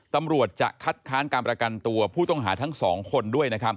ตำรวจจะคัดค้านการประกันตัวผู้ต้องหาทั้งสองคนด้วยนะครับ